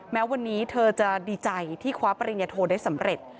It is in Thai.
แม้วันนี้เธอจะดีใจที่คว้าปริญญโทได้สำเร็จ